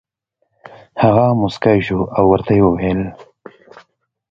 هغه موسکی شو او ورته یې وویل: